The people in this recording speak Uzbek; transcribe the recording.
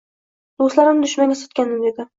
«Do’stimni dushmanga sotgandim…- dedi, —